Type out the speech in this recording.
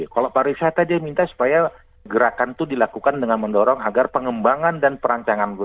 kalau pariwisata dia minta supaya gerakan itu dilakukan dengan mendorong agar pengembangan dan perancangan